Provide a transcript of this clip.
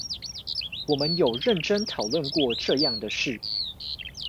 我們有認真討論過這樣的事